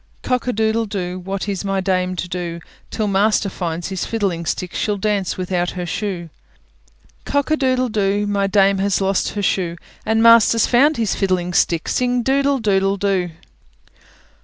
Cock a doodle doo! What is my dame to do? Till master finds his fiddling stick, She'll dance without her shoe. Cock a doodle doo! My dame has lost her shoe, And master's found his fiddling stick; Sing doodle doodle doo!